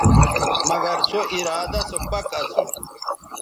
مگر سو ارادہ سو پَک اسو